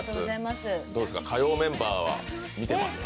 火曜メンバーは見てますか？